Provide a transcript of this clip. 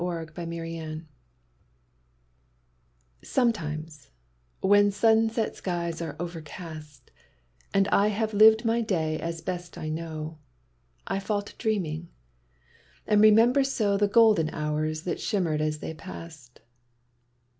Maitino OMETIMES, when sunset skies are overcast, And I have lived my day as best I know, I fall to dreaming, and remember so The golden hours that shimmered as they passed.